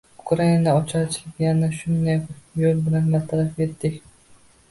Ukrainada ocharchilikni ana shunday yo‘l bilan bartaraf etdik.